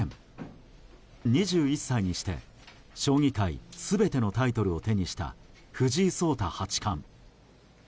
弱冠２１歳にして将棋界全てのタイトルを手にした藤井聡太八冠。